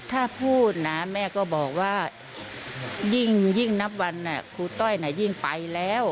ถ้าพูดนะแม่ก็บอกว่ายิ่งนับวันครูต้อยยิ่งไปแล้ว